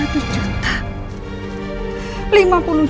ayah sudah membantu seratus juta